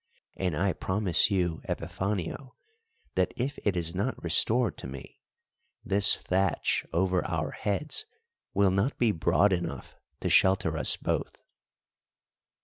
And I promise you, Epifanio, that if it is not restored to me, this thatch over our heads will not be broad enough to shelter us both."